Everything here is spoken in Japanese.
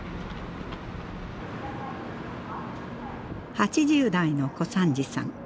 ８０代の小三治さん。